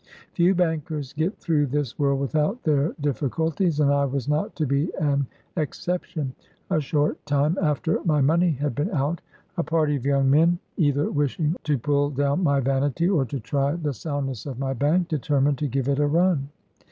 Few bankers get through this world without their difficul ties, and I was not to be an exception. A short time after my money had been out. a party of young men, either wishing to pull down my vanity, or to try the soundness of my bank, determined to give it : a run.'